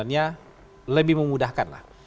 artinya lebih memudahkan lah